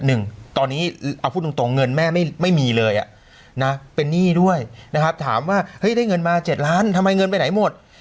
หนึ่งตอนนี้เอาพูดตรงตรงเงินแม่ไม่มีเลยอ่ะนะเป็นหนี้ด้วยนะครับถามว่าเฮ้ยได้เงินมาเจ็ดล้านทำไมเงินไปไหนหมด